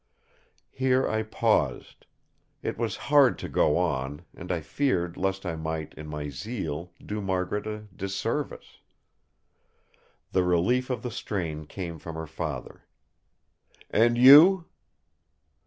Here I paused. It was hard to go on; and I feared lest I might, in my zeal, do Margaret a disservice. The relief of the strain came from her father. "And you?"